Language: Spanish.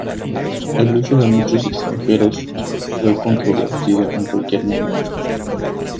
El uso de muchos extranjeros fue controvertido en cualquier momento.